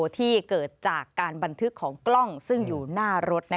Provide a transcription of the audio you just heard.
ที่เกิดจากการบันทึกของกล้องซึ่งอยู่หน้ารถ